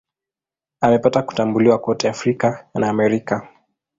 Amepata kutambuliwa kote Afrika na Amerika.